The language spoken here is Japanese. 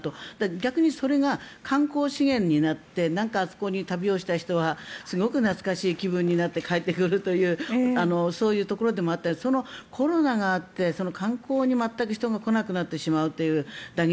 逆にそれが観光資源になって何かそこに旅をした人はすごく懐かしい気分になって帰ってくるというそういうところでもあったりコロナがあって観光に全く人が来なくなってしまうという打撃。